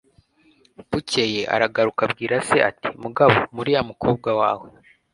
bukeye aragaruka abwira se ati 'mugabo mpa uriya mukobwa wawe'